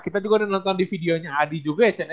kita juga udah nonton di videonya adi juga ya chen ya